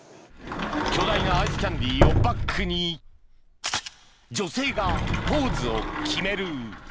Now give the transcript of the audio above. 巨大なアイスキャンディーをバックに女性がポーズを決める。